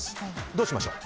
どうしましょう？